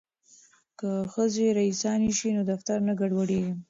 که ښځې ریسانې شي نو دفتر نه ګډوډیږي.